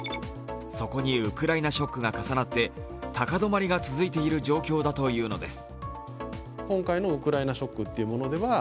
そこにウクライナショックが重なって高止まりが続いている状況だというのです。